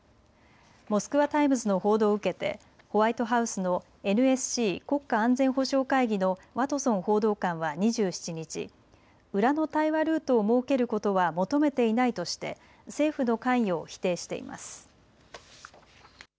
モスクワ・タイムズの報道を受けてホワイトハウスのＮＳＣ・国家安全保障会議のワトソン報道官は２７日、裏の対話ルートを設けることは求めていないとして政府の関与を否定しています。